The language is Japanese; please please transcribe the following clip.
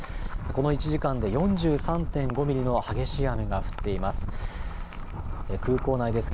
この１時間で４３．５ミリの激しい雨が降っています。